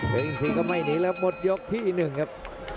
พยักอินซีก็ไม่หนีแล้วหมดยกที่หนึ่งครับ